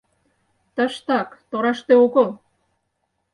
Тыштак, тораште огыл.